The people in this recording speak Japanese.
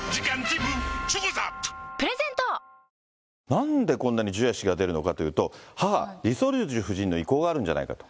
なんでこんなにジュエ氏が出るのかというと、母、リ・ソルジュ夫人の意向があるんじゃないかと。